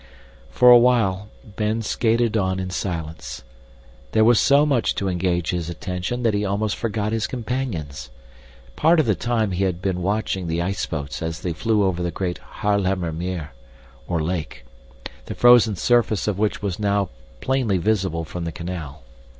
For a while Ben skated on in silence. There was so much to engage his attention that he almost forgot his companions. Part of the time he had been watching the iceboats as they flew over the great Haarlemmer Meer (or lake), the frozen surface of which was now plainly visible from the canal.